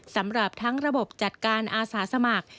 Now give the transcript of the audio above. สำหรับทั้งระบบจัดการอาสาสมัคร